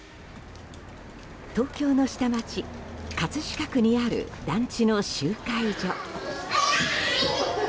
東京の下町葛飾区にある団地の集会所。